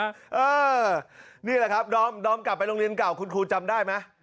นี่แหละครับดอมดอมกลับไปโรงเรียนเก่าคุณครูจำได้ไหม